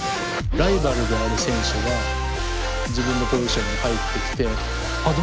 ライバルである選手が自分のポジションに入ってきて。